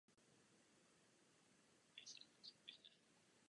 Je rovněž největší nizozemskou univerzitou co do počtu zapsaných studentů.